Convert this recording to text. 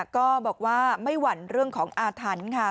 ก็บอกว่าไม่หวั่นเรื่องของอาถรรพ์ค่ะ